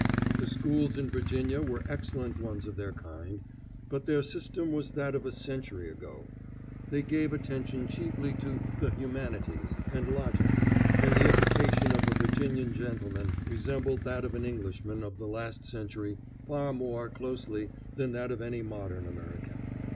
The schools in Virginia were excellent ones of their kind, but their system was that of a century ago. They gave attention chiefly to "the humanities" and logic, and the education of a Virginian gentleman resembled that of an Englishman of the last century far more closely than that of any modern American.